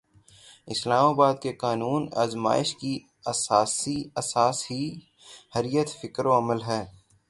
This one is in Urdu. اسلام کے قانون آزمائش کی اساس ہی حریت فکر و عمل ہے۔